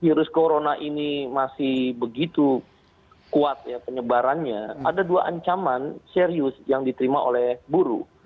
dua ribu sembilan belas virus corona ini masih begitu kuat penyebarannya ada dua ancaman serius yang diterima oleh buru